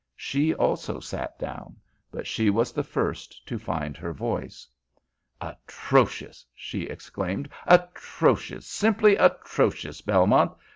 She also sat down, but she was the first to find her voice. "Atrocious!" she exclaimed. "Atrocious! Simply atrocious, Belmont.